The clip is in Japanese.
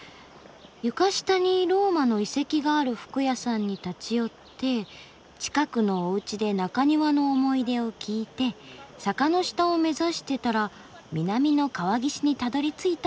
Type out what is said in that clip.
床下にローマの遺跡がある服屋さんに立ち寄って近くのおうちで中庭の思い出を聞いて坂の下を目指してたら南の川岸にたどりついたってことか。